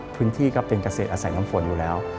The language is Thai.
ก็เป็นเกษตรอาศัยน้ำฝนอยู่แล้ว